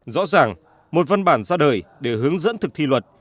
rõ ràng một văn bản ra đời để hướng dẫn thực thi luật